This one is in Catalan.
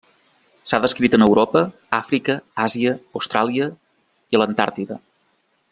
S'ha descrit en Europa, Àfrica, Àsia, Austràlia i a l'Antàrtida.